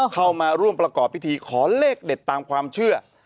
เข้ามาร่วมประกอบพิธีขอเลขเด็ดตามความเชื่อ